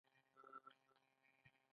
په دې لوښو کې رسامي شوې وه